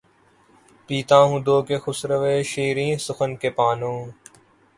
پیتا ہوں دھو کے خسروِ شیریں سخن کے پانو